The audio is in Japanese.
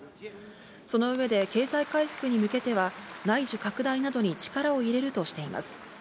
その上で経済回復に向けては、内需拡大などに力を入れるとしています。